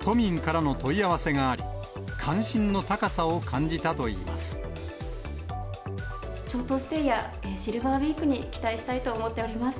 都民からの問い合わせがあり、ショートステイや、シルバーウィークに期待したいと思っております。